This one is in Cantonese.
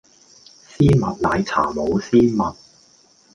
絲襪奶茶冇絲襪